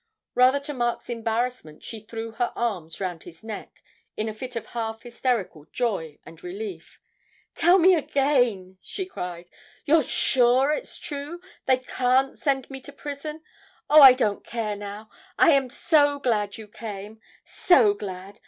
Rather to Mark's embarrassment, she threw her arms round his neck in a fit of half hysterical joy and relief. 'Tell me again,' she cried; 'you're sure it's true they can't send me to prison? Oh, I don't care now. I am so glad you came so glad.